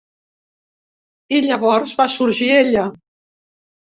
I llavors va sorgir ella.